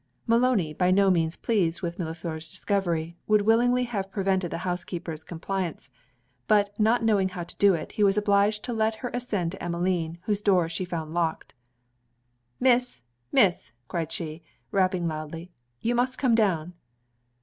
Maloney, by no means pleased with Millefleur's discovery, would willingly have prevented the housekeeper's complaisance; but not knowing how to do it, he was obliged to let her ascend to Emmeline, whose door she found locked. 'Miss! Miss!' cried she, rapping loudly, 'you must come down.'